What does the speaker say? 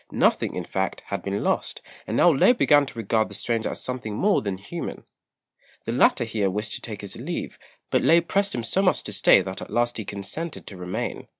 Nothing, in fact, had been lost, and now Lê began to regard the stranger as something more than human. The latter here wished to take his leave, but Lê pressed him so much to stay that at last he consented to remain.